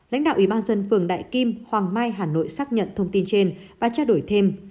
lãnh đạo ủy ban dân phường đại kim hoàng mai hà nội xác nhận thông tin trên và trao đổi thêm